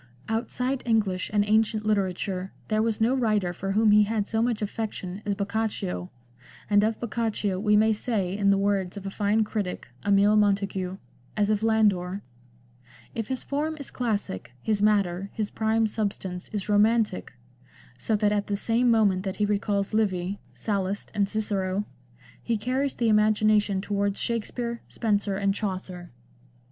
Outside English and ancient literature there was no writer for whom he had so much affection as Boccaccio, and of Boccaccio we may say, in the words of a fine critic, Emile Montegut, as of Landor, " If his form is classic, his matter, his prime substance is romantic, so that at the same moment that he recalls Livy, Sallust, and Cicero, he carries the imagination towards Shakspere, Spenser and Chaucer."